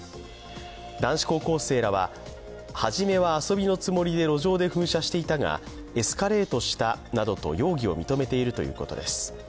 男子高校生らは、初めは遊びのつもりで路上で噴射していたが、エスカレートしたなどと容疑を認めているということです。